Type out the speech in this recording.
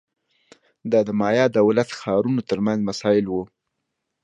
دا د مایا دولت ښارونو ترمنځ مسایل وو